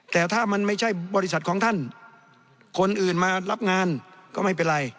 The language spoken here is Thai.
แต่ถ้ามันไม่ใช่บริษัทของท่านคนอื่นมารับงานก็ไม่เป็นไร